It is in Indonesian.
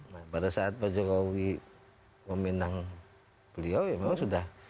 nah pada saat pak jokowi meminang beliau ya memang sudah